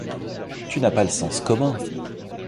Tu n'as pas le sens commun !